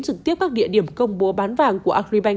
trực tiếp các địa điểm công bố bán vàng của agribank